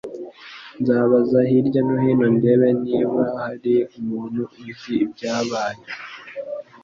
Nzabaza hirya no hino ndebe niba hari umuntu uzi ibyabaye